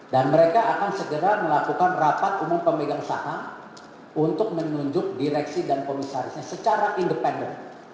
dan mereka akan segera melakukan rapat umum pemegang saham untuk menunjuk direksi dan komisarisnya secara independen